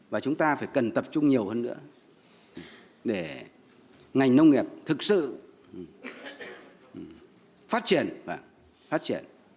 và chúng ta phải cần tập trung nhiều hơn nữa để ngành nông nghiệp thực sự phát triển